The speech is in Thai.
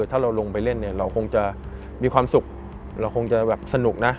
ถ้าเราลงไปเล่นเนี่ยเราคงจะมีความสุขเราคงจะแบบสนุกนะ